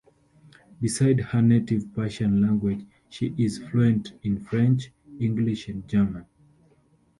Beside her native Persian language she is fluent in French, English and German.